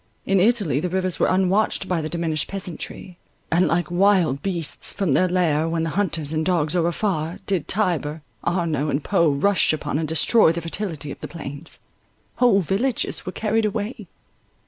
In Italy the rivers were unwatched by the diminished peasantry; and, like wild beasts from their lair when the hunters and dogs are afar, did Tiber, Arno, and Po, rush upon and destroy the fertility of the plains. Whole villages were carried away.